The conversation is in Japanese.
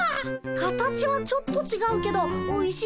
形はちょっとちがうけどおいしそうなプリン！